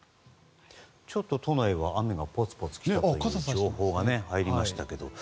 ちょっと都内は雨がぽつぽつ降っているという情報が入りましたけれども。